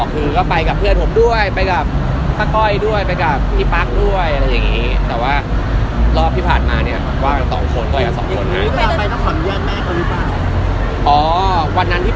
อ๋อถ้าเกิดว่ามีคอนเสิร์ตเกาหลีก็คงชวนกันไป